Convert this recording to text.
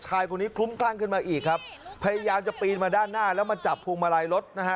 ชายคนนี้คลุ้มคลั่งขึ้นมาอีกครับพยายามจะปีนมาด้านหน้าแล้วมาจับพวงมาลัยรถนะฮะ